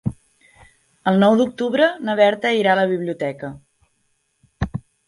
El nou d'octubre na Berta irà a la biblioteca.